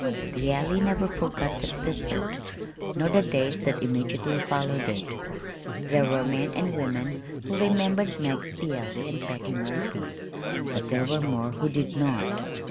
The Alley never forgot that visit, nor the days that immediately followed it. There were men and women who remembered Mag of the Alley and Patty Murphy; but there were more who did not.